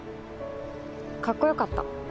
かっこよかった。